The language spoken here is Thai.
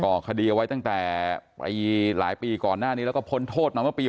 ก่อคดีเอาไว้ตั้งแต่หลายปีก่อนหน้านี้แล้วก็พ้นโทษมาเมื่อปี